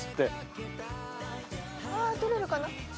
あぁ取れるかな？